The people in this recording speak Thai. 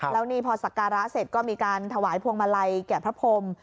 แล้วนี่พอสักการะเสร็จก็มีการถวายพวงมาลัยแก่พระพรม